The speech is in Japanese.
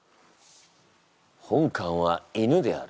本官は犬である。